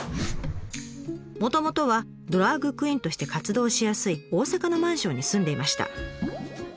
もともとはドラァグクイーンとして活動しやすい大阪のマンションに住んでいました。